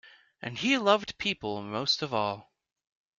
And he loved people most of all.